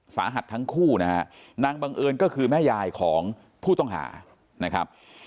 สาหัสทั้งคู่นะฮะนางบังเอิญก็คือแม่ยายของผู้ต้องหานะครับ